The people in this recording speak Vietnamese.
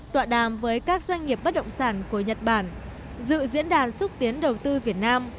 tọa đàm với các doanh nghiệp bất động sản của nhật bản dự diễn đàn xúc tiến đầu tư việt nam